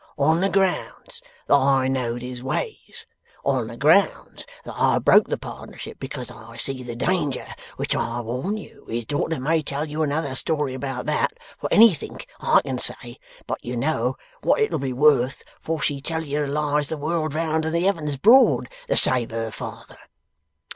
On the grounds that I knowed his ways. On the grounds that I broke the pardnership because I see the danger; which I warn you his daughter may tell you another story about that, for anythink I can say, but you know what it'll be worth, for she'd tell you lies, the world round and the heavens broad, to save her father.